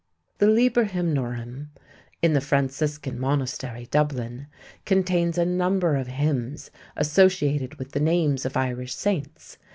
_The Liber Hymnorum _(in the Franciscan Monastery, Dublin) contains a number of hymns associated with the names of Irish saints.